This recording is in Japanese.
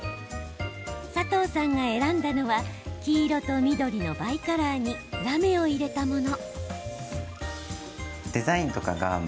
佐藤さんが選んだのは黄色と緑のバイカラーにラメを入れたもの。